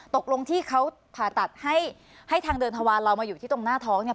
ตกลงที่เขาผ่าตัดให้ให้ทางเดินทวารเรามาอยู่ที่ตรงหน้าท้องเนี่ย